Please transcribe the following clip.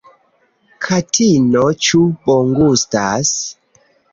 Katino ĉu bongustas?